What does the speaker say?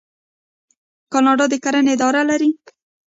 کاناډا د کرنې اداره لري.